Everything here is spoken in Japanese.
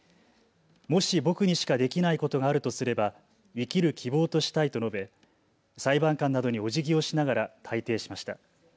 もし僕にしかできないことがあるとすれば生きる希望としたいと述べ裁判官などにおじぎをしながら退廷しました。